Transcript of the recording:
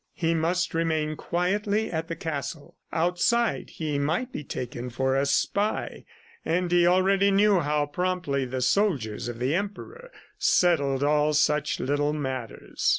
He must remain quietly at the castle; outside, he might be taken for a spy, and he already knew how promptly the soldiers of the Emperor settled all such little matters.